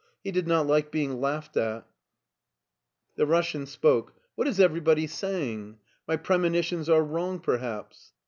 He did not like being laughed at The Russian spoke. "What is everybody saying? My premonitions are wrong, perhaps."